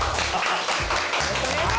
よろしくお願いします